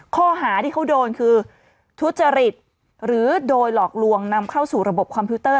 ข้อหาที่เขาโดนคือทุจริตหรือโดยหลอกลวงนำเข้าสู่ระบบคอมพิวเตอร์